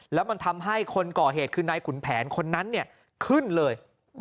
แล้วมันทำให้คนก่อเหตุคือนายขุนแผนคนนั้นขึ้นเลย